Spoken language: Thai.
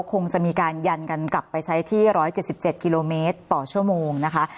คงจะมีการยันกันกลับไปใช้ที่๑๗๗กิโลเมตรต่อชั่วโมงนะคะ